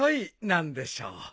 何でしょう？